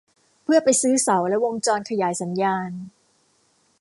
เพื่อไปซื้อเสาและวงจรขยายสัญญาณ